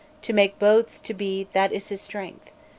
To make boats to be that is his strength.